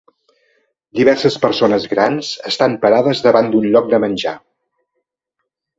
Diverses persones grans estan parades davant d'un lloc de menjar.